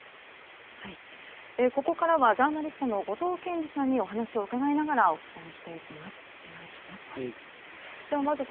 ここからはジャーナリストの後藤謙次さんにお話を伺いながらお伝えしていきます。